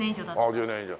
ああ１０年以上。